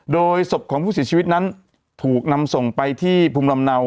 โดยศพของผู้เสียชีวิตนั้นถูกนำส่งไปที่ภูมิลำเนา